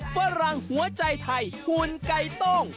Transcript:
ฝรั่งหัวใจไทยหุ่นไก่ต้ง